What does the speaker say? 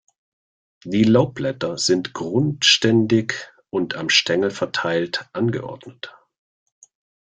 Die Laubblätter sind grundständig und am Stängel verteilt angeordnet.